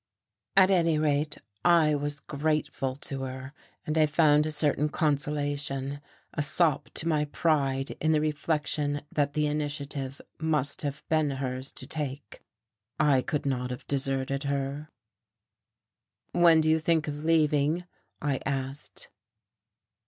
At any rate, I was grateful to her, and I found a certain consolation, a sop to my pride in the reflection that the initiative must have been hers to take. I could not have deserted her. "When do you think of leaving?" I asked.